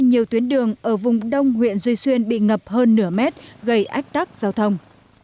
nhiều tuyến đường ở vùng đông huyện duy xuyên bị ngập hơn nửa mét gây ách tắc giao thông